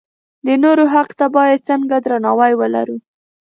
د نورو حق ته باید څنګه درناوی ولرو.